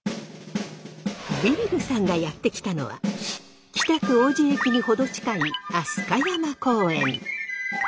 ビビるさんがやって来たのは北区王子駅に程近い飛鳥山公園。